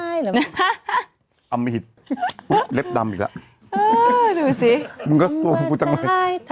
อุ๊ยเล็บดำอีกแล้ว